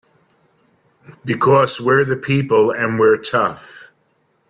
Because we're the people and we're tough!